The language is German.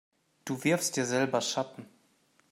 Du wirfst dir selber Schatten.